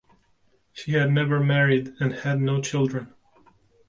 She had never married and had no children.